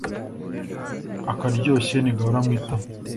Akaryoshye ntigahora mu itama